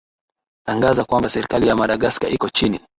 tangaza kwamba serikali ya madagascar iko chini